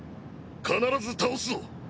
必ず倒すぞ！